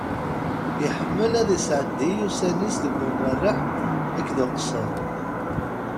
Iḥemmel ad isɛeddi ussan-is deg umerreḥ akked uqesser.